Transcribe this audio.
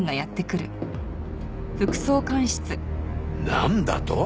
なんだと！？